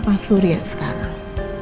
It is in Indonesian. pak surya sekarang